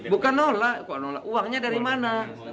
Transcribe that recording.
bukan nolak uangnya dari mana